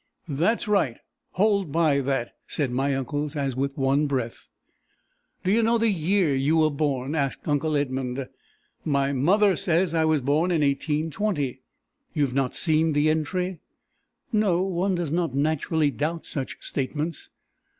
"That's right. Hold by that!" said my uncles, as with one breath. "Do you know the year you were born?" asked uncle Edmund. "My mother says I was born in 1820." "You have not seen the entry?" "No. One does not naturally doubt such statements."